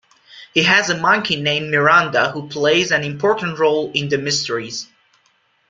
He has a monkey named Miranda who plays an important role in the mysteries.